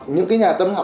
những nhà tâm học